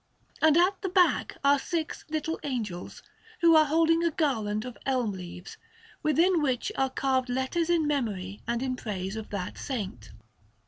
And at the back are six little angels, who are holding a garland of elm leaves, within which are carved letters in memory and in praise of that Saint.